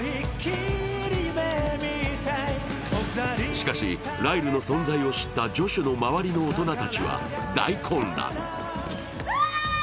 しかし、ライルの存在を知ったジョシュの周りの大人たちは大混乱。